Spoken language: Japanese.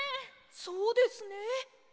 そうですね。